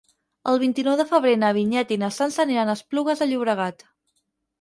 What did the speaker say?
El vint-i-nou de febrer na Vinyet i na Sança aniran a Esplugues de Llobregat.